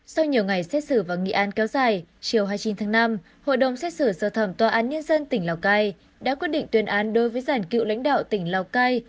sau nhiều ngày xét xử và nghị án kéo dài chiều hai mươi chín tháng năm hội đồng xét xử sơ thẩm tòa án nhân dân tỉnh lào cai đã quyết định tuyên án đối với giản cựu lãnh đạo tỉnh lào cai